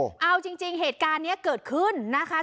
โอ้โฮเอาจริงจริงเหตุการณ์เนี้ยเกิดขึ้นนะคะ